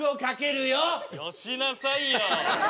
よしなさいよ。